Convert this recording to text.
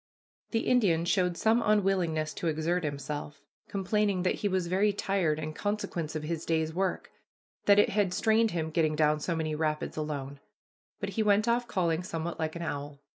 The Indian showed some unwillingness to exert himself, complaining that he was very tired in consequence of his day's work, that it had strained him getting down so many rapids alone; but he went off calling somewhat like an owl.